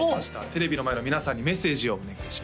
テレビの前の皆さんにメッセージをお願いします